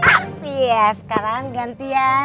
ah iya sekarang gantian